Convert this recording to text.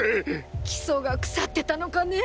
基礎が腐ってたのかねぇ？